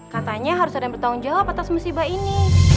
katanya harus ada yang bertanggung jawab atas musibah ini